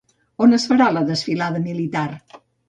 On es farà la desfilada militar?